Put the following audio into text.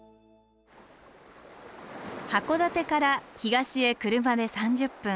函館から東へ車で３０分。